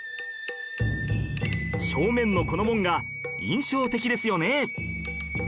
正面のこの門が印象的ですよね